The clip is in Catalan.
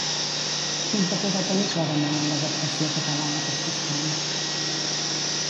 Quin paper va tenir Claramunt en l'adaptació català d'aquest espai?